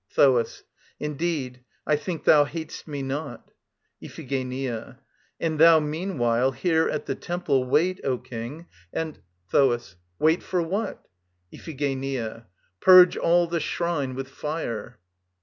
THOAS. Indeed, I think thou hat'st me not. IPHIGENIA. And thou meanwhile, here at the temple, wait, O King, and ... THOAS. Wait for what? IPHIGENIA. Purge all the shrine with fire.